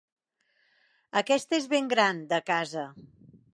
Aquesta és ben gran, de casa.